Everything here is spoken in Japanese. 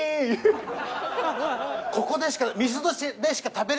ここでしか。